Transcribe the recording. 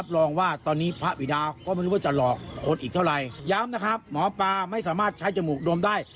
ย้ำนะครับหมอปลาไม่สามารถใช้จมูกโดมได้